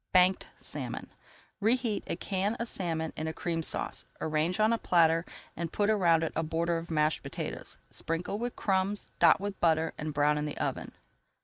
BANKED SALMON Reheat a can of salmon in a Cream Sauce. Arrange on a platter and put around it a border of mashed potatoes. Sprinkle with crumbs, dot with butter, and brown in the oven.